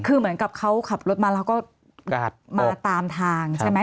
คือเหมือนกับเขาขับรถมาแล้วก็มาตามทางใช่ไหม